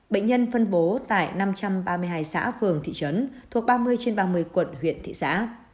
bệnh nhân phân bố tại năm trăm ba mươi hai xã phường thị trấn thuộc ba mươi trên ba mươi quận huyện thị xã